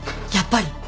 やっぱり！